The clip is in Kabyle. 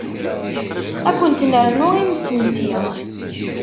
Ad kunt-nernu imesnsi?